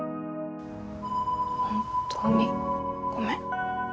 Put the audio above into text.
本当にごめん。